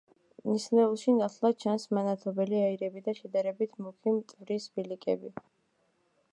ნისლეულში ნათლად ჩანს მანათობელი აირები და შედარებით მუქი მტვრის ბილიკები.